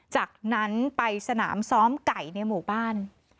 จากนั้นไปสนามซ้อมไก่ในหมู่บ้าน